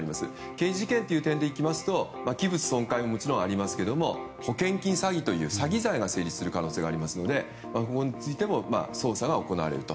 刑事事件という点でいきますと器物損壊もありますが保険金詐欺という詐欺罪が成立する可能性がありますのでここについても捜査が行われると。